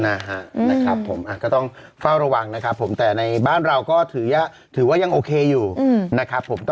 นะครับผมก็ต้องเฝ้าระวังนะครับผมแต่ในบ้านเราก็ถือว่ายังโอเคอยู่นะครับผม